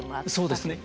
そうですね。